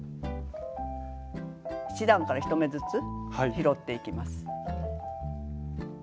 １段から一目ずつ拾っていきます。